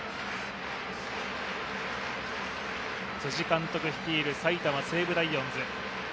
辻監督率いる埼玉西武ライオンズ。